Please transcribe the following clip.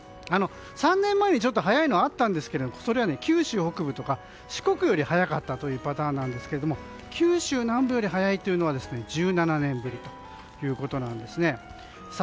３年前にちょっと早いのがあったんですがそれは九州北部とか四国より早かったというパターンなんですが九州南部より早いというのは１７年ぶりということですね。